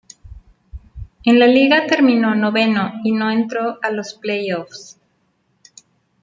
En la liga terminó noveno y no entró a los play-offs.